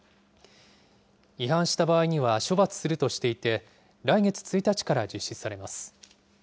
違反した場合には処罰するとしていて、来月１日から実施されます。